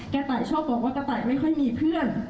ตายชอบบอกว่ากระต่ายไม่ค่อยมีเพื่อน